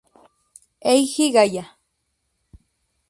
Eiji Gaya